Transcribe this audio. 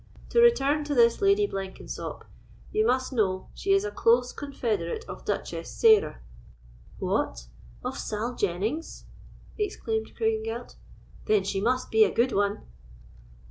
To return to this Lady Blenkensop, you must know, she is a close confederate of Duchess Sarah." "What! of Sall Jennings?" exclaimed Craigengelt; "then she must be a good one."